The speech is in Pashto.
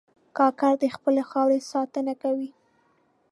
کاکړ د خپلې خاورې ساتنه کوي.